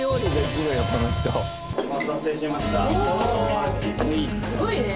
すごいね。